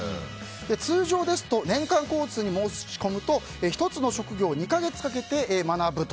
通常ですと年間で申し込むと１つの職業を２か月かけて学ぶと。